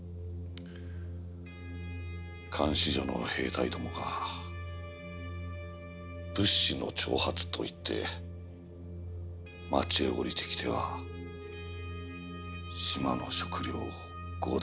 監視所の兵隊どもが物資の徴発と言って町へ降りてきては島の食料を強奪しよった。